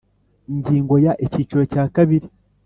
Ingingo ya Icyiciro cya kabiri